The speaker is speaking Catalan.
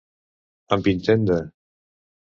Amb intent de.